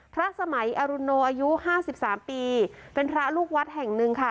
พระสมัยอรุณโนอายุห้าสิบสามปีเป็นพระลูกวัดแห่งหนึ่งค่ะ